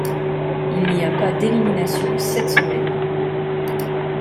Il n'y a pas d'élimination cette semaine.